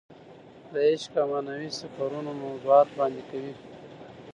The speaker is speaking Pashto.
د عشق او معنوي سفرونو موضوعات وړاندې کوي.